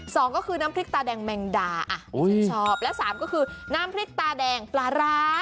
สองก็คือน้ำพริกตาแดงแมงดาอ่ะดิฉันชอบและสามก็คือน้ำพริกตาแดงปลาร้า